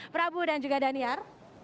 prabu dan juga daniar